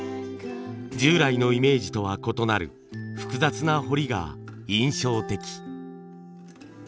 従来のイメージとは異なる複雑な彫りが印象的。